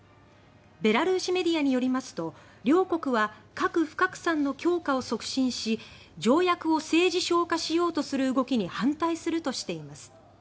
ベラルーシメディアによりますと両国は核不拡散の強化を促進し条約を政治ショー化しようとする動きに反対するとしています。